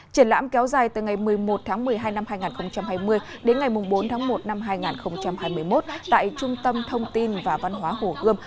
triển lãm kéo dài từ ngày một mươi một một mươi hai hai nghìn hai mươi đến ngày bốn một hai nghìn hai mươi một tại trung tâm thông tin và văn hóa hồ gươm